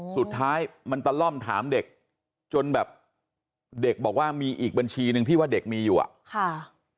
สุดท้ายมันตะล่อมถามเด็กจนแบบเด็กบอกว่ามีอีกบัญชีหนึ่งที่ว่าเด็กมีอยู่อ่ะค่ะ